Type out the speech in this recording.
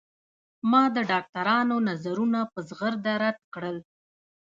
ما د ډاکترانو نظرونه په زغرده رد کړل.